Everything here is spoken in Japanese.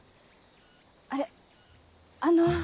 あれあの。